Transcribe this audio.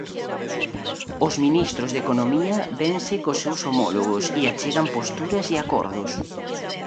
Os ministros de Economía vense cos seus homólogos e achegan posturas e acordos.